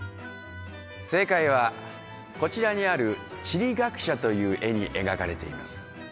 正解はこちらにある「地理学者」という絵に描かれています